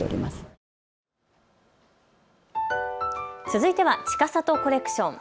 続いてはちかさとコレクション。